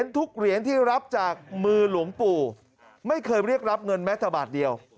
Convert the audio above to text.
ทุกเหรียญที่รับจากมือหลวงปู่ไม่เคยเรียกรับเงินแม้แต่บาทเดียว